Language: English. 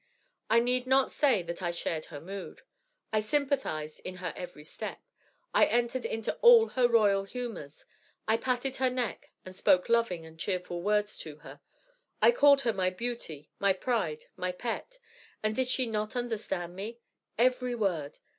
I need not say that I shared her mood. I sympathized in her every step. I entered into all her royal humors. I patted her neck and spoke loving and cheerful words to her. I called her my beauty, my pride, my pet. And did she not understand me? Every word!